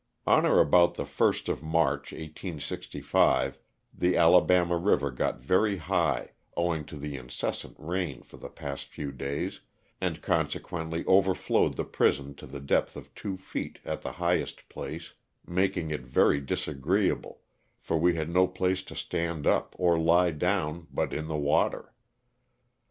On or about the 1st of March, 1865, the Alabama river got very high, owing to the incessant rain for the past few days, and consequently oversowed the prison to the depth of two feet, at the highest place, making it very disagreeable, for we had no place to stand up or lie down but in the water.